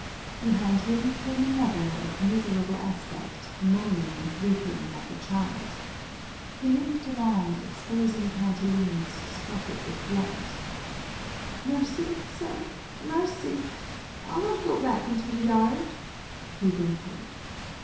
Behind him came another of miserable aspect, moaning and weeping like a child. He limped along exposing pantaloons spotted with blood. "Mercy, sir, mercy! I'll not go back into the yard," he whimpered.